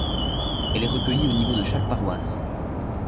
Elle est recueillie au niveau de chaque paroisse.